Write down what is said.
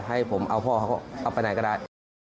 ให้ผมเอาพ่อเขาก็เอาไปไหนก็ได้